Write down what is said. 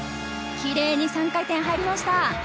キレイに３回転、入りました。